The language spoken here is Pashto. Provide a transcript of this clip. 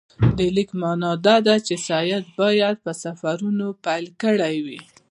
د لیک معنی دا ده چې سید باید په سفرونو پیل کړی وي.